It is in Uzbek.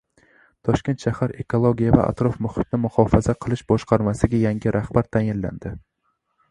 Toshkent shahar Ekologiya va atrof-muhitni muhofaza qilish boshqarmasiga yangi rahbar tayinlandi